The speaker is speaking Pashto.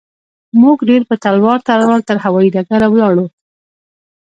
موږ ډېر په تلوار تلوار تر هوايي ډګره ولاړو.